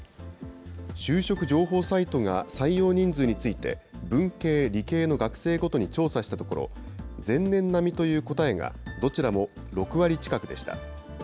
就職情報サイトが採用人数について、文系、理系の学生ごとに調査したところ、前年並みという答えがどちらも６割近くでした。